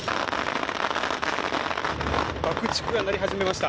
爆竹が鳴り始めました。